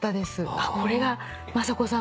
あっこれが昌子さん